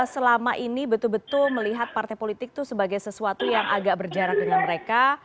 selama ini betul betul melihat partai politik itu sebagai sesuatu yang agak berjarak dengan mereka